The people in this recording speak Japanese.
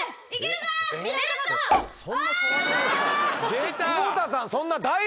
出た！